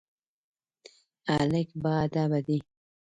هلک باادبه دی.